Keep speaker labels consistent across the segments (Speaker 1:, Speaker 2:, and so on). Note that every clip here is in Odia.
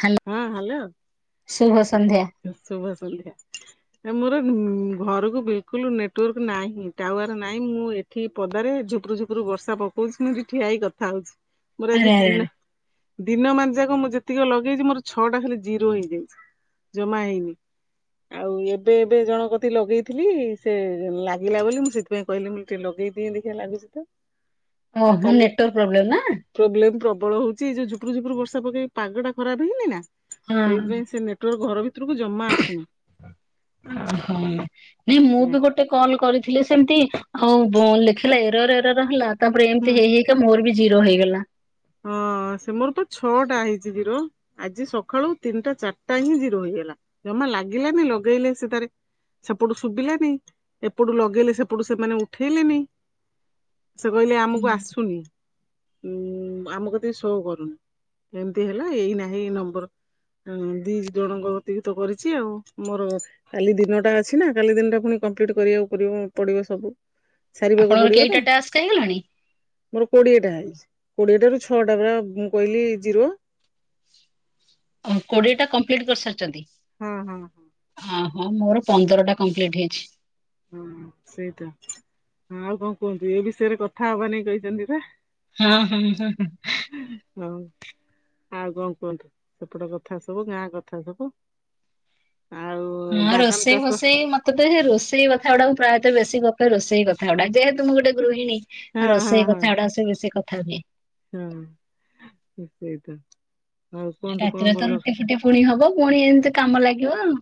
Speaker 1: ହ୍ୟାଲୋ
Speaker 2: ହଁ ହ୍ୟାଲୋ
Speaker 1: ଶୁଭ ସନ୍ଧ୍ୟା।
Speaker 2: ଶୁଭ ସନ୍ଧ୍ୟା। ମୋର ଘରକୁ ବିଲ୍ କୁଲୁ ନେଟୱାର୍କ ନାହିଁ ଟାୱାର ନାହିଁ ମୁଁ ଏଠି ପଦାରେ ଝୁପୁରୁ ଝୁପୁରୁ ବର୍ଷା ପକଉଛି ମୁଁ ଠିଆ ହେଇ କଥା ହଉଛି ମୋର
Speaker 1: ଆରେ
Speaker 2: ଆଜି
Speaker 1: ଆରେ ଆରେ।
Speaker 2: ଦିନ ଦିନ ମନ ଯାକ ମୁଁ ଯେତିକି ଲଗେଇଛି ମୋର ଛଅଟା ଖାଲି ଜିରୋ ହେଇଯାଇଛି ଜମା ହେଇନି। ଆଉ ଏବେ ଏବେ ଜଣ କତି ଲଗେଇଥିଲି ସେ ଲାଗିଲା ବୋଲି ମୁଁ ସେଥିପାଇଁ କହିଲି ମୁଁ ଟିକେ ଲଗେ ଦିଦି ଦଖିା ଲାଗୁଛି ତ ଆ
Speaker 1: ଓହୋ
Speaker 2: କାଲି
Speaker 1: ନେଟୱାର୍କ ପ୍ରୋବ୍ଲେମ ନା?
Speaker 2: ପ୍ରୋବ୍ଲେମ୍ ବଳ ହଉଛି ଏଇ ଯୋଉ ଝୁପୁରୁ ଝୁପୁରୁ ବର୍ଷା ପକେଇ ପାଗ ଟା ଖରାପ ହେଇି ନା ସେଇଥିାଇ ସେ ନେଟୱାର୍କ ଘର ଭି ଯମା ଆସୁନି।
Speaker 1: ହଁ ନାଇଁ ମୁଁ
Speaker 2: ଏ,
Speaker 1: ବି ଗୋଟେ କଲ କରିଥିଲି ସେମିତି ହଉ ଲେଖିଲା ଏର ଏର ର ହେଲା ତାପରେ
Speaker 2: ହୁଁ।
Speaker 1: ଏମିତି ହେଇ ହେଇକା ମୋର ବି ଜିରୋ ହେଇଗଲା।
Speaker 2: ହଁ ସେ ମୋର ପା ଛଅଟା ହେଇଛି ଜିରୋ ଆଜି ସକାଳୁ ତିନିଟା ଚାରିଟା ହିଁ ଜିରୋ ହେଇ ହେଇଗଲା ଜମା ଲାଗିଲାନି ଲଗେଇଲେ ସେ ତାରେ ସେପଟୁ ଶୁଭିଲୋନି ଏପଟୁ ଲଗେଇଲେ ସେପଟୁ ସେମାନେ ଉଠେଇଲେନି।
Speaker 1: [inaudible]
Speaker 2: ସେ କହିଲେ ଆମକୁ ଆସୁନି ଉ ଆମକତି ଶୋ କରୁନି। ଏମତି ହେଲା ଏଇ ନାହିଁ ଏ ନମ୍ବର ହଁ ଦି ଜଣଙ୍କ ଅତୀଭତ କରିଛି ଆଉ ମୋର କାଲି ଦିନଟା ଅଛି ନା କାଲି ଦିନ ଟା ପୁଣି କମ୍ପ୍ଲିଟ କରିବାକୁ ପଡି ପଡ଼ିବ ସବୁ। ସାରିବାକୁ
Speaker 1: ଆପଣଙ୍କର
Speaker 2: ପଡ଼ିବ ନା
Speaker 1: କେଇଟା ଟାସ୍କ ହେଇଗଲାଣି?
Speaker 2: ମୋର କୋଡିଏ ଟା ହେଇଚି। କୋଡ଼ିଏ ଟାରୁ ଛଅଟା ପୁରା ମୁଁ କହିଲି ଜିରୋ।
Speaker 1: ଓ କୋଡ଼ିଏ ଟା କମ୍ପ୍ଲିଟ୍ କରିସାରିଛନ୍ତି।
Speaker 2: ହଁ ହଁ ହଁ।
Speaker 1: ଓହୋ ମୋର ପନ୍ଦରଟା କମ୍ପ୍ଲିଟ ହେଇଚି।
Speaker 2: ହଁ ସେଇଟା ହ ଆଉ କଣ କୁହନ୍ତୁ ଏ ବିଷୟରେ କଥା ହବା ନେଇ କହିଛନ୍ତି ପା
Speaker 1: ହଁ ହଁ ହ।
Speaker 2: ହଁ ଆଉ କଣ କୁହନ୍ତୁ ସେପଟ କଥା ସବୁ ଗାଁ କଥା ସବୁ। ଆଉ
Speaker 1: ହଁ
Speaker 2: ବାଦାମ
Speaker 1: ରୋଷେଇ
Speaker 2: ଚାଷ
Speaker 1: ଭୋଷେଇ ମତେ ତ ରୋଷେଇ କଥା ଗୁଡ଼ା କୁ ପ୍ରାୟତଃ ବେଶୀ ଗପେ ରୋଷେଇ କଥା ଗୁଡ଼ା ଯେହେତୁ ତ ମୁଁ ଗୋଟେ ଗୃହିଣୀ
Speaker 2: ହଁ ହଁ
Speaker 1: ରୋଷେଇ
Speaker 2: ହଁ
Speaker 1: କଥା ଅଡ଼ାବେସି କଥା ହୁଏ।
Speaker 2: ହଁ ସେଇ ତ
Speaker 1: ରାତିରେ ତ ରୁଟି ଫୁଟି ପୁଣି ହବ ପୁଣି ଏମିତି କାମ ଲାଗିବ ଆଉ।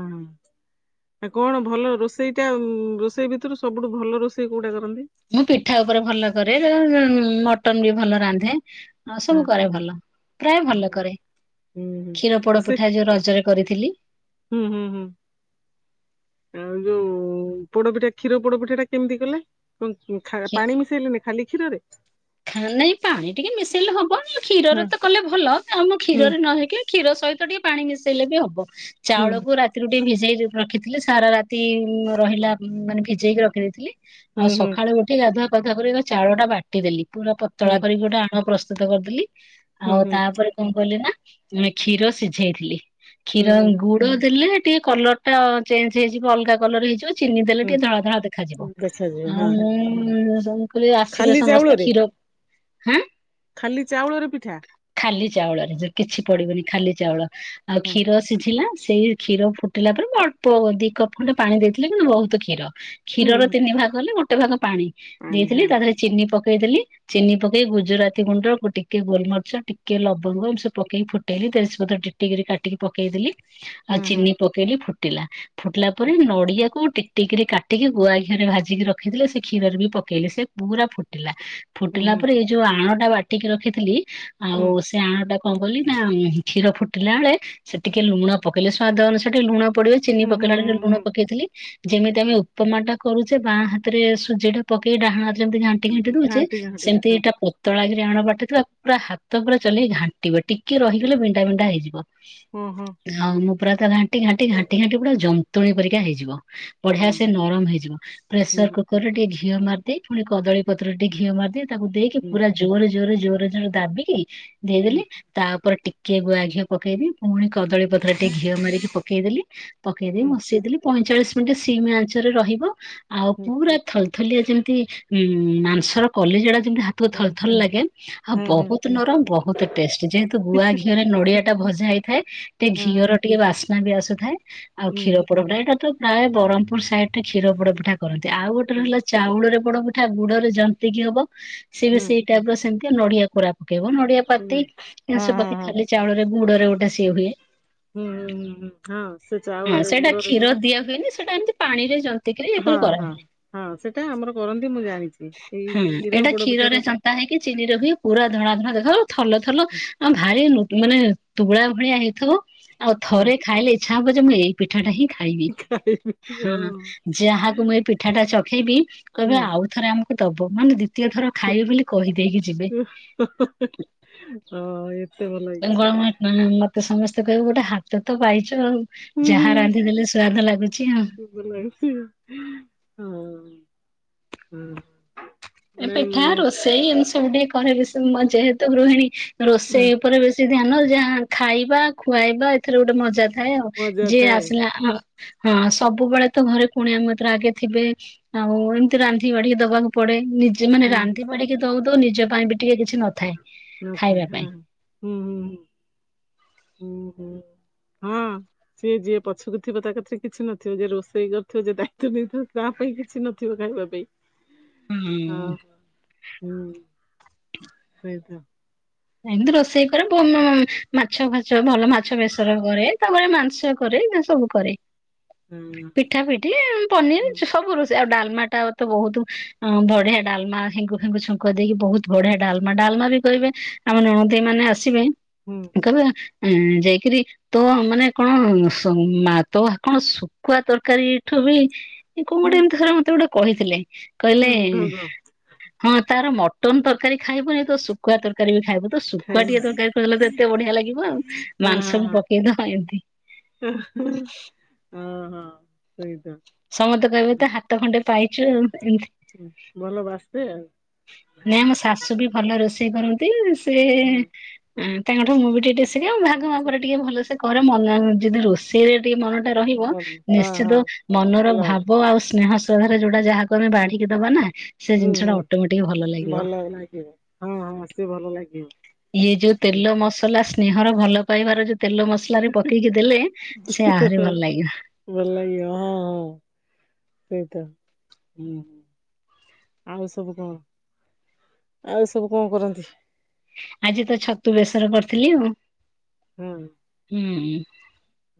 Speaker 2: ହଁ। ଆ କଣ ଭଲ ରୋଷେଇଟା ରୋଷେଇ ଭିତରୁ ସବୁଠୁ ଭଲ ରୋଷେଇ କୋଉଟା କରନ୍ତି।
Speaker 1: ମୁଁ ପିଠା ଉପରେ ଭଲ କରେ ମଟନ ବି ଭଲ ରାନ୍ଧେ। ହଁ ସବୁ କରେ ଭଲ ପ୍ରାୟ ଭଲ
Speaker 2: ହଁ
Speaker 1: କରେ
Speaker 2: ହୁଁ ହୁଁ
Speaker 1: କ୍ଷୀର ପୋଡ଼
Speaker 2: ରୋଷେଇ
Speaker 1: ପିଠା ଯୋଉ ରଜରେ କରିଥିଲି।
Speaker 2: ହୁଁ ହୁଁ ହୁଁ। ଆଉ ଯୋଉ ପୋଡ଼ପିଠା କ୍ଷୀର ପୋଡ଼ପିଠା ଟା କେମିତି କଲେ? [unintelligible] ପାଣି ମିଶେଇଲେନି ଖାଲି କ୍ଷୀରରେ?
Speaker 1: ଖା -ନାଇଁ ପାଣି ଟିକେ ମିଶେଇଲେ ହବନି କ୍ଷୀରରେ
Speaker 2: ହୁଁ
Speaker 1: ତ କଲେ ଭଲ। ଆମ
Speaker 2: ହୁଁ
Speaker 1: କ୍ଷୀରରେ ନ ହେଇକି କ୍ଷୀର ସହିତ ଟିକେ ପାଣି ମିଶେଇଲେ ବି ହବ।
Speaker 2: ହୁଁ
Speaker 1: ଚାଉଳକୁ ରାତିରୁ ଟିକେ ଭିଜ ଭିଜେଇ ରଖିଥିଲି ସାରା ରାତି ରହିଲା ମାନେ ଭିଜେଇକି ରଖିଦେଇଥିଲି। ଆଉ
Speaker 2: ହୁଁ ହୁଁ
Speaker 1: ସଖାଳେ ଉଠି ଗାଧୁଆ ପାଧୁଆ କରି ଏକା ଚାଉଳ ଟା ବାଟିଦେଲି। ପୁରା
Speaker 2: ହୁଁ
Speaker 1: ପତଳା କରିକି ଗୋଟେ ଆଣ ପ୍ରସ୍ ସ୍ତୁତ କରିଦେଲି।
Speaker 2: ହୁଁ
Speaker 1: ଆଉ
Speaker 2: ହୁଁ
Speaker 1: ତାପରେ କଣ କଲିନା ମେ କ୍ଷୀର ସିଝେଇଥିଲି।
Speaker 2: ହୁଁ
Speaker 1: କ୍ଷୀର
Speaker 2: ହୁଁ।
Speaker 1: ଗୁଡ ଦେଲେ ଟିକେ କଲର୍ ଟା ଚେଞ୍ଜ ହେଇଯିବ ଅଲଗା କଲର୍ ହେଇଯିବ। ଚିନିଦେଲେ
Speaker 2: ହୁଁ
Speaker 1: ଟିକେ ଧଳା ଧଳା ଦେଖାଯିବ।
Speaker 2: ଦେଖାଯିବ ହଁ
Speaker 1: ଆଉ ମୁଁ ଯୋଉ କହିଲି ଆସିବେ
Speaker 2: ଖାଲି
Speaker 1: ସମସ୍ ସେ
Speaker 2: ଚାଉଳରେ
Speaker 1: କ୍ଷୀର ହାଁ
Speaker 2: ଖାଲି ଚାଉଳର ପିଠା?
Speaker 1: ଖାଲି ଚାଉଳରେ ଯେ କିଛି
Speaker 2: ହଁ
Speaker 1: ପଡିବନି ଖାଲି ଚାଉଳ। ଆଉ
Speaker 2: ହଁ
Speaker 1: କ୍ଷୀର ସିଝିଲା ସେଇ କ୍ଷୀର ଫୁଟିଲା ପ ମାନେ ମୁଁ ଅଳ୍ପ ଦି କପ୍ ଖଣ୍ଡେ ପାଣି ଦେଇଥିଲି କିନ୍ତୁ ବହୁତ କ୍ଷୀର।
Speaker 2: ହୁଁ
Speaker 1: କ୍ଷୀରର
Speaker 2: ହୁଁ
Speaker 1: ତିନି ଭାଗ ହେଲେ ଗୋଟେ ଭାଗ ପାଣି
Speaker 2: ପାଣି ହଁ
Speaker 1: ଦେଇଥିଲି ତା ଦେହରେ ଚିନି ପକ କେଇଦେଲି ଚିନି ପକେଇ ଗୁଜୁରାତି ଗୁଣ୍ଡ ଗୁ ଟିକେ ଗୋଲମର୍ଚ୍ଚ ଟିକେ ଲବଙ୍ଗ ଏମତି ସବୁ ପକେଇ ଫୁଟେଇଲି। ତେଜ ପତ୍ର ଟିକେଇକିରି କାଟିକି ପକେଇଦେଲି ଆଉ
Speaker 2: ହଁ ହଁ
Speaker 1: ଚିନି ପକେଇଲି ଫୁ ଟିଲା ଫୁଟିଲା ପରେ ନଡିଆକୁ ଟିକ୍ ଟିକ୍ କରିକି କାଟିକି ଗୁଆ ଘିଅରେ ଭାଜିକି ରଖିଥିଲି। ସେ କ୍ଷୀରରେ ବି ପ ପକେଇଲେ ସେ ପୁରା ଫୁ
Speaker 2: ହୁଁ
Speaker 1: ଫୁଟିଲା
Speaker 2: ହୁଁ
Speaker 1: ପରେ ଏଇ ଯୋଉ ଆଣଟା ବାଟିକି ରଖିଥିଲି। ଆଉ ସେ ଆଣଟା କଣ କଲି ନା, ଉଁ, ହୁଁ, କ୍ଷୀର ଫୁଟିଲା ବେଳେ ସେ ଟିକେ ଲୁଣ ପକେଇଲେ ସ୍ଵାଦ ଅନୁସାରେ ଟିକେ ଲୁଣ ପଡିବ ଚିନି
Speaker 2: ହୁଁ ହୁଁ ହୁଁ
Speaker 1: ପକେଇଲା ବେଳେ ସେ ଲୁଣ
Speaker 2: ହୁଁ
Speaker 1: ପକେଇଥିଲି। ଯେମିତି ଆମେ ଉପମା ଟା କରୁଚେ ବାଁ ହାତରେ ସୁଜି ଟା ପକେଇ ଡାହାଣ ହାତରେ ଯେମିତି ଘାଣ୍ଟି ଘାଣ୍ଟି
Speaker 2: ହୁଁ
Speaker 1: ଦଉଚେ।
Speaker 2: ଘାଣ୍ଟି
Speaker 1: ସେମିତି
Speaker 2: ହଁ
Speaker 1: ଏଇଟା ପତଳା କି ଯେ ଆଣ ବାଟିଥିବ ପୁରା ହାତ ପୁରା ଚଲେଇ ଘାଣ୍ଟିବ। ଟିକେ ରହିଗଲେ ବିଣ୍ଡା ବିଣ୍ଡା ହେଇଯିବ।
Speaker 2: ଓ, ହଁ।
Speaker 1: ପୁରା ତ ଘାଣ୍ଟି ଘାଣ୍ଟି ଘାଣ୍ଟି ଘାଣ୍ଟି ପୁରା ଜନ୍ତୁଣୀ ପରିକା ହେଇଯିବ। ବଢିଆ
Speaker 2: ହଁ
Speaker 1: ସେ ନରମ ହେଇଯିବ।
Speaker 2: ହୁଁ
Speaker 1: ପ୍ରେସର କୁକର୍ ରେ ଟିକେ ଘିଅ ମାରିଦେଇ। ପୁଣି କଦଳୀ ପତ୍ରରେ ଟିକେ ଘିଅ ମାରିଦିଏ। ତାକୁ ଦେଇକି
Speaker 2: ହୁଁ
Speaker 1: ପୁରା ଜୋରେ ଜୋରେ ଜୋରେ ତାକୁ ଦାବିକି
Speaker 2: ହୁଁ
Speaker 1: ଦେଇଦେଲି ତାପରେ ଟିକ କିଏ ଗୁଆ ଘିଅ ପକେଇବି। ପୁଣି କଦଳୀ ପତ୍ର ଟିକେ ଘିଅ ମାରିକି ପକେଇଦେଲି। ପକେଇ ଦେଇ
Speaker 2: ହୁଁ
Speaker 1: ବସେଇଦେଲି ପଇଁଚାଳିଶ ମିନିଟ୍ ସିମ୍ ଆଞ୍ଚରେ ରହିବ। ଆଉ
Speaker 2: ହୁଁ
Speaker 1: ପୁରା ଥ ଥଲିଆ ଯେମିତି ଉଁ, ମାଂସର କଲିଜା ଟା ଯେମିତି ହାତକୁ
Speaker 2: ହଁ
Speaker 1: ଥଲ୍ ଥଲ୍ ଲାଗେ। ଆଉ
Speaker 2: ହଁ ହଁ
Speaker 1: ବହୁତ ନରମ। ବହୁତ ଟେଷ୍ଟ୍ ଯେହେତୁ ଗୁଆ ଘିଅରେ ନଡିଆ ଟା ଭ ଭଜା ହେଇଥାଏ ଟେ
Speaker 2: ହଁ ହଁ
Speaker 1: ଘିଅର ଟିକେ ବାସ ନା ବି ଆସୁଥାଏ। ଆଉ
Speaker 2: ହୁଁ
Speaker 1: କ୍ଷୀର
Speaker 2: ହୁଁ
Speaker 1: ପୋଡ଼ପିଠା ଟା ତ ପ୍ରାୟ ବରହମପୁର ସାଇ ଗୋଟେ କ୍ଷୀର ପୋଡ ପିଠା କରନ୍ତି। ଆଉ ଗୋଟେ ହେଲା ଚାଉଳରେ ପୋଡ ପିଠା, ଗୁଡ ରେ ଯନ୍ତିକି ହବ। ସିଏ ବି
Speaker 2: ହୁଁ ହୁଁ
Speaker 1: ସେଇ ଟାଇପ୍ ର ସେମିତି ଆ ନଡିଆ କୋରା ପକେଇବ ନଡିଆ ପାତି
Speaker 2: ହଁ ହଁ
Speaker 1: [unintelligible] ପକେଇ
Speaker 2: ହଁ
Speaker 1: ଖାଲି ଚାଉଳରେ ଗୁଡ ରେ ଗୋଟେ ସିଏ ହୁଏ।
Speaker 2: ହୁଁଁ, ହଁ ସେ ଚାଉଳରେ ଗୁଡ଼ରେ ଯୋଉଟା
Speaker 1: ସେଟା ଏମତି ପାଣିରେ ଜନ୍ତ
Speaker 2: ହଁ, ହଁ, ହଁ ସେଟା ଆମର କରନ୍ତି ମୁଁ ଜାଣିଛି। ଏଇ
Speaker 1: ହୁଁ,
Speaker 2: କ୍ଷୀର
Speaker 1: ଏଇଟା
Speaker 2: ପୋଡ ପିଠା ଟା
Speaker 1: କ୍ଷୀରରେ ଜନ୍ତା ହେଇକି ଚିନିରେ ହୁଏ ପୁରା ଧଳା ଧଳା ଦେଖାହବ। ଥଲ ଥଲ ଆଉ ଭାରି ଲୁ ମାନେ ତୁଳା ଭଳିଆ ହେଇଥିବ। ଆଉ
Speaker 2: ହଁ
Speaker 1: ଥରେ ଖାଇଲେ ଇଚ୍ଛା ହବ ଯେ ମୁଁ ଏଇ ପିଠାଟା ହିଁ ଖାଇବି। ହଁ ଯାହାକୁ ମୁଁ ଏ ପିଠାଟା ଚ ଖେଇବି
Speaker 2: ହଁ
Speaker 1: କହିବେ ଆଉ ଥରେ ଆମକୁ ଦବ। ମାନେ ଦି ଦ୍ଵିତୀୟ ଥର ଖାଇବେ ବୋଲି କହିଦେଇକି ଯିବେ।
Speaker 2: ହଁ ଏତେ ଭଲ
Speaker 1: ଏ
Speaker 2: ହେଇଛି।
Speaker 1: ଗ- ମୋ ହା -ମୋତେ ସମସ୍ତେ କହିବେ ଗୋଟେ ହାତ ତ ପାଇଛୁ। ତ ହଉ
Speaker 2: ହୁଁ ହୁଁ।
Speaker 1: ଯାହା ରାନ୍ଧିଦେଲେ ସୁଆଦ ଲାଗୁଛି ଆଉ।
Speaker 2: ଭଲ ହେଇଛି ହଁ, ହଁ।
Speaker 1: ଏ
Speaker 2: ନାଇଁ
Speaker 1: ପିଠା
Speaker 2: ମୁ
Speaker 1: ରୋଷେଇ ଏମିତି ସବୁ ଟିକେ କରେ ବେଶୀ ମୋ ଯେହେତୁ ଗୃହିଣୀ ରୋଷେଇ ଉପରେ ବେଶୀ ଧ୍ୟାନ ଯାହା ଖାଇବା, ଖୁଆଇବା ଏଥିରେ ଗୋଟେ ମଜା ଥାଏ ଆଉ
Speaker 2: ମଜା
Speaker 1: ଯିଏ
Speaker 2: ଥାଏ
Speaker 1: ଆସିଲା ଆ ହଁ ସବୁବେଳେ ତ ଘରେ କୁଣିଆମ ଭିତରେ ଆଗେ ଥିବେ ଆଉ ଏମିତି ରାନ୍ଧି ବାଢିକି ଦବାକୁ ପଡେ। ନିଜେ ମାନେ
Speaker 2: ହଁ
Speaker 1: ରାନ୍ଧି ବାଢିକି ଦଉ ଦଉ ନିଜ ପାଇଁ ବି ଟିକେ କିଛି ନଥାଏ।
Speaker 2: ମଥା
Speaker 1: ଖାଇବା
Speaker 2: ହଁ
Speaker 1: ପାଇଁ।
Speaker 2: ହୁଁ ହୁଁ ହୁଁ ହୁଁ ହୁଁ। ହଁ ସିଏ ଯିଏ ପଛକୁଥିବ ତା କଥିରେ କିଛି ନଥିବ ଯେ ରୋଷେଇ କରିଥିବ ଯେ ଦାୟିତ୍ୱ ନେଇଥିବ ତା ପାଇଁ କିଛି ନଥିବ ଖାଇବା ପାଇଁ।
Speaker 1: ହୁଁ।
Speaker 2: ହଁ ସେଇ ତ?
Speaker 1: ଏମତି ରୋଷେଇ କରେ [unintelligible] ମାଛ ଫାଛ ଭଲ ମାଛ ବେସ କରେ ତାପରେ ମାଂସ କରେ। ଆଇନା ସବୁ କରେ
Speaker 2: ହଁ।
Speaker 1: ପିଠା ପିଠି
Speaker 2: ହୁଁ
Speaker 1: ପନିର ସବୁ ରଷେଇ ଡା ଲମା ଟା ତ ବହୁତ ବଢିଆ ଡାଲମା ହେଙ୍ଗୁ ଫେଙ୍ଗୁ ଛୁଙ୍କ ଦେଇକି ବହୁତ ବଢିଆ ଡାଲମା ଡାଲମା ବି କହିବେ ଆମ ନଣଦେଇ ମାନେ ଆସିବେ
Speaker 2: ହୁଁ
Speaker 1: କହିବେ ଉଁ ଯାଇକରି ତ ମାନେ କଣ ତ କଣ ଶୁଖୁଆ ତରକାରୀ ଏଠୁ [unintelligible] କ
Speaker 2: ହୁଁ
Speaker 1: ଗୋଟେ ଏମତି ରେ ମତେ ଗୋଟେ କହିଥିଲେ କହିଲେ
Speaker 2: ହୁଁ ଢଗ
Speaker 1: ହଁ ତାର ମଟନ ତରକାରୀ ଖାଇବନି ତ ଶୁଖୁଆ ତରକାରୀ ଖାଇବୁ ତ
Speaker 2: ଖାଇ
Speaker 1: ଶୁଖୁଆ ଟିକେ ତରକାରୀ ଖିଲଲେ ତ କେତେ ବଢିଆ ଲାଗିବ ଆଉ
Speaker 2: ହଁ
Speaker 1: ମାଂସକୁ
Speaker 2: ହଁ ହଁ।
Speaker 1: ପକେଇଦବା ଏମିତି
Speaker 2: [inaudible] ହିଁ ସେଇ ତା
Speaker 1: ସମସ୍ତେ କହିବେ ତ ହାତ ଖଣ୍ଡେ ପାଇଛୁ ଆଉ। ଏମିତି।
Speaker 2: ଭଲ ବାସେ?
Speaker 1: ତେ କରନ୍ତି ସେ
Speaker 2: ହଁ।
Speaker 1: ତାଙ୍କଠୁ ମୁଁ ବି ଟିକେ ଶିଖେ ଭାଗ ମାପରେ ଟିକେ ଭଲସେ କରେ ମ ଯଦି ରୋଷେଇରେ ଟିକେ ମନ ଟା ରହିବ
Speaker 2: ଭଲ ହଁ ହଁ
Speaker 1: ନିଶ୍ଚିତ ମନର
Speaker 2: ଭଲ ହବ
Speaker 1: ଭାବ ଆଉ ସ୍ନେହ ଧ ଯୋଉଟା ଯାହାକୁ ଆମେ ବାଢିକି ଦବା ନା ସେ
Speaker 2: ହୁଁ ହୁଁ
Speaker 1: ଜିନିଷଟା
Speaker 2: ଭଲ ଲାଗିବ ହଁ ହଁ ସେ ଭଲ ଲାଗିବ।
Speaker 1: ଇଏ ଯୋଉ ତେଲ ମସଲା ସ୍ନେହର ଭଲ ପାଇବାର ଯୋଉ ତେଲ ମସଲ ରେ ପକେଇକି ଦେଲେ ସେ ଆହୁରି ଭଲ ଲାଗିବ। [inaudible]
Speaker 2: ଭଲ ସେଇ ତ ହୁଁ ଆଉ ସବୁ କଣ? ଆଉ ସବୁ କଣ କରନ୍ତି?
Speaker 1: ଆଜି ତ ଛତୁ ବେସର କରିଥିଲି ଆଉ।
Speaker 2: ହୁଁ।
Speaker 1: ହୁଁ ହୁଁ।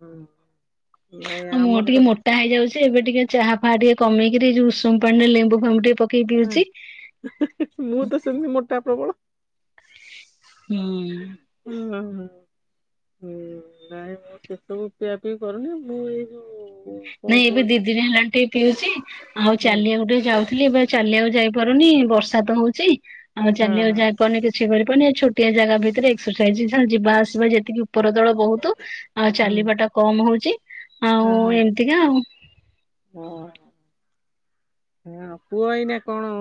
Speaker 2: ହୁଁ ନାଇଁ ଆମର ତ
Speaker 1: ସେ ଏବେ ଟିକେ ଚାହା ଫା ଟିକେ କମେଇି କି ଦେଇ ଯଉ ଉଷମ ପାଣିରେ ଲେମ୍ବୁ ଫେମ୍ବୁ ଟିକେ ପକେଇ ପିଉଛି
Speaker 2: ହୁଁ ମୁଁ ତ ସେମିତି ମୋଟା ପ୍ରବଳ।
Speaker 1: ହୁଁ।
Speaker 2: ହଁ ହଁ ହୁଁ ନାଇଁ ମୁଁ ସେସବୁ ପିଆ ପିଇ କରୁନି ମୁଁ ଏଇ ଯୋଉ କଣ
Speaker 1: ନାଇଁ ଏବେ ଦି
Speaker 2: କୁହନ୍ତି
Speaker 1: ଦିନ ହେଲାଣି ଟିକ ପିଉଚି ଆଉ
Speaker 2: ହୁଁ
Speaker 1: ଚାଲିବାକୁ ଟିକେ ଯାଉ ଥିଲି ଏବେ ଚାଲିବାକୁ ଯାଇପାରୁନି ବର୍ଷା ତ ହଉଛି ଆଉ
Speaker 2: ହଁ
Speaker 1: ଚାଲିବାକୁ
Speaker 2: ହଁ
Speaker 1: ଯାଇପାରୁନି କିଛି କରି ଛୋଟିଆ ଜାଗା ଭିତରେ ଏକ୍ସରସାଇଜ ଯିବା ଆସିବା ଯେତିକି ଉପରଦଳ ବହୁତୁ ଆଉ ଚାଲିବା ଟା କମ ହଉଛି। ଆଉ
Speaker 2: ହୁଁ ହୁଁ।
Speaker 1: [unintelligible]
Speaker 2: ହୁଁ ପୁଅ ଏଇନା କଣ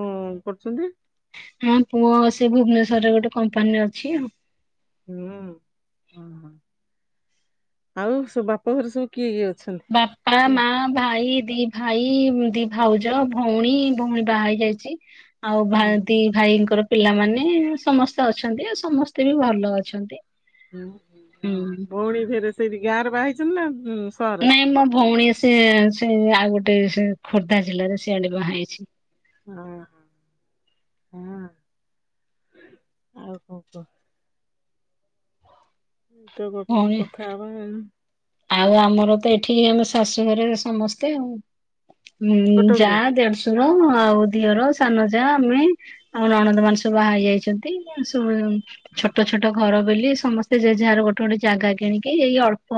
Speaker 2: କରୁଚନ୍ତି।
Speaker 1: ହହୁଁ ପୁଅ ସେ ଭୁବେନେଶ୍ୱରେ ଗୋଟେ କମ୍ପାନୀରେ ଅଛି ଆଉ।
Speaker 2: ହୁଁ ଓହୋ ଆଉ ସବୁ ବାପଘର ସବୁ କିଏ କିଏ ଅ
Speaker 1: ବାପା ମା ଭାଇ। ଦି ଭାଇ ଦି ଭାଉଜ ଭଉଣୀ ଭଉଣୀ ବାହା ହେଇ ଯାଇଛି। ଆଉ
Speaker 2: ହୁଁ।
Speaker 1: ଭାଇ ଦି ଭାଇଙ୍କର ପିଲାମାନେ ସମସ୍ତେ ଅଛନ୍ତି ଆଉ ସମସ୍ତେ ବି ଭଲ ଅଛନ୍ତି। ହୁଁ
Speaker 2: ଭଉଣୀ ଫେରେ ସେଇଠି ଗାଁରେ ବାହା ହେଇଛନ୍ତି ନା? ଉଁ ସହରରେ?
Speaker 1: ନାଇଁ ମୋ ଭଉଣୀ ସେ ସେ ଆଉ ଗୋଟେ ଗୋଟେ ସେ ଖୋର୍ଦ୍ଧା ଜିଲ୍ଲାରେ ସିଆଡେ ବାହା ହେଇଛି।
Speaker 2: ଅ ହଁ। ହଁ। ଆଉ କଣ କୁହ? [unintelligible]
Speaker 1: ଭଉଣୀ
Speaker 2: କଥା ହବା
Speaker 1: ଆଉ ଆମର ତ ଏଠି ଆମେ ଶାଶୁଘରେ ସମସ୍ତେ ଆଉ। ଉଁ ଯା,
Speaker 2: କଟକରେ?
Speaker 1: ଦେଢଶୁ ର ଆଉ ଦିଅର, ସାନ ଯା ଆମେ ଆଉ ନଣନ୍ଦ ମାନେସବୁ ବାହା ହେଇ ଯାଇଛନ୍ତି। ଛୋଟ ଛୋଟ ଘର ବୋଲି ସମସ୍ତେ ଯେ ଯାହାର ଗୋଟେ ଗୋଟେ ଜାଗା କିଣିକି ଏଇ ଅଳ୍ପ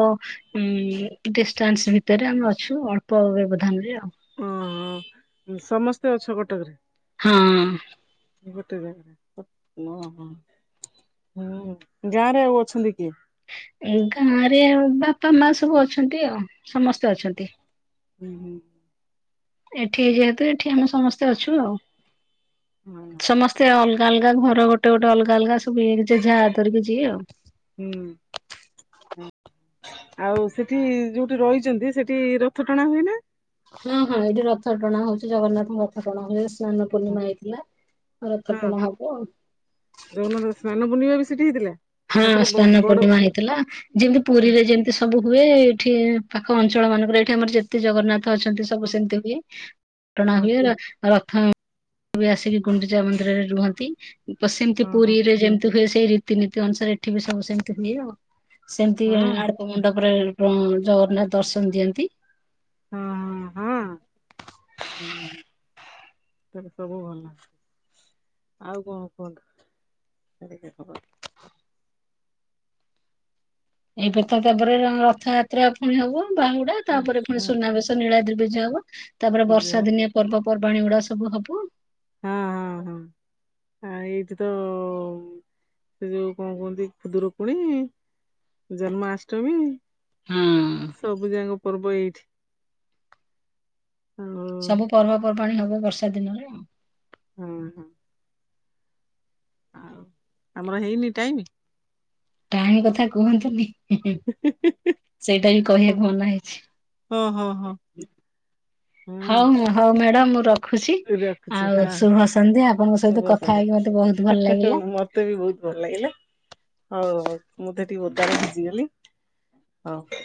Speaker 1: ଉଁ, ଡିଷ୍ଟାନ୍ସ ଭିତରେ ଆମେ ଅଛୁ ଅଳ୍ପ ବ୍ୟବଧାନ ରେ ଆଉ।
Speaker 2: ଓହୋ। ସମସ୍ତେ ଅଛ କଟକରେ?
Speaker 1: ହଁ।
Speaker 2: [unintelligible] ଓ ହୋ। ଗାଁରେ ଆଉ ଅଛନ୍ତି କିଏ?
Speaker 1: ଗାଁ ରେ ବାପା ମା ସବୁ ଅଛନ୍ତି ଆଉ। ସମସ୍ତେ ଅଛନ୍ତି।
Speaker 2: ଉଁ, ହୁଁ।
Speaker 1: ଏଠି ଯେହେତୁ ଏଠି ଆମେ ସମସ୍ତେ ଅଛୁ ଆଉ।
Speaker 2: ହଁ
Speaker 1: ସମସ୍ତେ ଅଲ ଅଲଗା ଘର ଗୋଟେ ଗୋଟେ ଅଲଗା ଅଲଗା ସବୁ [unintelligible] ଆଉ। [inaudible]
Speaker 2: ହୁଁ ଆଉ ସେଠି ଯୋଉଠି ରହିଛନ୍ତି ସେଠି ରଥ ଟଣା ହୁଏ ନା?
Speaker 1: ହଁ, ହଁ ଏଇଠି ରଥ ଟଣା ହଉଚି। ଜଗନ୍ନାଥଙ୍କ ରଥ ଟଣା ହୁଏ। ସେ ସ୍ନାନ ପୂର୍ଣ୍ଣିମା ହେଇଥିଲା।
Speaker 2: ହଁ
Speaker 1: ରଥଟଣା ହବ ଆଉ।
Speaker 2: ଜଗନ୍ନାଥ ସ୍ନାନ ପୂର୍ଣ୍ଣିମା ବି ସେଠି ହେଇଥିଲା।
Speaker 1: ହଁ
Speaker 2: ଠାକୁର ବ
Speaker 1: ସ୍ନାନ
Speaker 2: ବଡ
Speaker 1: ପୂର୍ଣ୍ଣିମା ହେଇଥିଲା। ଯେମିତି
Speaker 2: ହଁ
Speaker 1: ପୁରୀରେ ଯେମିତି ସବୁ ହୁଏ। ଏଠି ପାଖ ଅଞ୍ଚଳ ମାନଙ୍କରେ ଏଠି ଆମର ଯେତେ ଜଗନ୍ନାଥ ଥ ଅଛନ୍ତି ସବୁ
Speaker 2: ହଁ।
Speaker 1: ସେମିତି ହୁଏ। ଟଣା
Speaker 2: ହଁ।
Speaker 1: ହୁଏ ର ହଁ ଆସିକି ଗୁଣ୍ଡିଚା ମନ୍ଦିରରେ ରୁହନ୍ତି। ବ। ସେମିତି
Speaker 2: ହଁ ହଁ
Speaker 1: ପୁରୀରେ ଯେମିତି ହୁଏ ସେ ରୀତିନୀତି ଅନୁସାରେ ଏଠି ବି ସବୁ ସେମିତି ହୁଏ ଆଉ। ସେମିତି
Speaker 2: ହଁ
Speaker 1: ଆଡପ ମଣ୍ଡପରେ ଜଗନ୍ନାଥ ଦର୍ଶନ ଦିଅନ୍ତି।
Speaker 2: ହଁ ହଁ
Speaker 1: [inaudible]
Speaker 2: ତାହେଲେ ସବୁ ଭଲ। ଆଉ କଣ କୁହନ୍ତୁ। [unintelligible] ଖବର।
Speaker 1: ଏବେତ ତାପରେ ରଥଯାତ୍ରା ପୁଣି ହବ। ବାହୁଡା
Speaker 2: ହଁ
Speaker 1: ତାପରେ ପୁଣି
Speaker 2: ହଁ
Speaker 1: ସୁନାବେଶ ନୀଳାଦ୍ରି ବିଜେ ହବ। ତାପରେ
Speaker 2: ବିଜୟ
Speaker 1: ବର୍ଷା
Speaker 2: ହଁ
Speaker 1: ଦିନିଆ ପର୍ବ ପର୍ବାଣୀ ଗୁଡା ସବୁ ହବ।
Speaker 2: ହଁ ହଁ। ଆ ଏଇଠି ତ ସେ ଯୋଉ କଣ କୁହନ୍ତି ଖୁଦୁରକୁଣି ଜନ୍ମାଷ୍ଟମୀ।
Speaker 1: ହଁ।
Speaker 2: ସବୁ ଯାକ ପର୍ବ ଏଇଠି। ଆଉ
Speaker 1: ସବୁ ପର୍ବପର୍ବାଣୀ ହବ ବର୍ଷା ଦିନରେ ଆଉ।
Speaker 2: ହଁ, ହଁ। ଆଉ ଆମର ହେଇନି ଟାଇମ?
Speaker 1: ଟାଇମ୍ କଥା କୁହନ୍ତୁନି। ଉଁ ହୁଁ। ସେଇଟା ହିଁ କହିବାକୁ ମନା ହେଇଛି।
Speaker 2: ହଁ ହଁ ହଁ ହଁ
Speaker 1: ହଉ, ହଉ ମ୍ୟାଡ଼ାମ ମୋର
Speaker 2: ରଖୁଛି ହଁ।
Speaker 1: ସନ୍ଧ୍ୟା ଆପଣଙ୍କ ସହିତ
Speaker 2: ଶୁଭ
Speaker 1: କଥା ହେଇକି ମତେ ବହୁତ ଭଲ
Speaker 2: ସନ୍ଧ୍ୟା।
Speaker 1: ଲାଗିଲା।
Speaker 2: ମତେ ବି ବହୁତ ଭଲ ଲାଗିଲା। ହଉ, ହଉ ମୁଁ ତ ଟିକେ ଓଦାରେ ଭିଜିଗଲି। ହଉ।